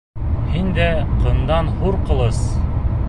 Һин дә ҡындан һур ҡылыс!